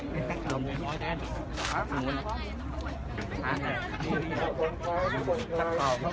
มีผู้ที่ได้รับบาดเจ็บและถูกนำตัวส่งโรงพยาบาลเป็นผู้หญิงวัยกลางคน